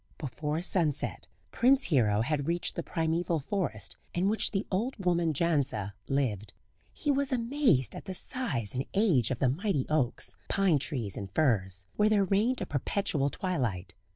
Before sunset Prince Hero had reached the primeval forest in which the old woman Jandza lived. He was amazed at the size and age of the mighty oaks, pine trees and firs, where there reigned a perpetual twilight.